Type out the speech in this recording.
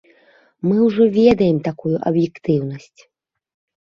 Мы ўжо ведаем такую аб'ектыўнасць.